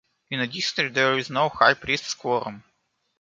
In a district, there is no high priests quorum.